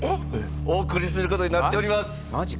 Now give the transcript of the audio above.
お送りすることになっておりますマジ？